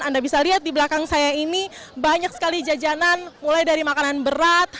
anda bisa lihat di belakang saya ini banyak sekali jajanan mulai dari makanan berat